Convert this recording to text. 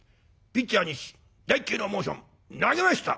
ピッチャー西第１球のモーション投げました！